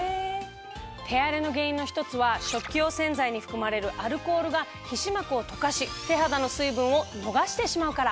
手荒れの原因の１つは食器用洗剤に含まれるアルコールが皮脂膜を溶かし手肌の水分を逃してしまうから。